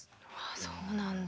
そうなんだ。